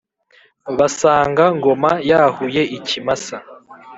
basanga Ngoma yahuye ikimasa,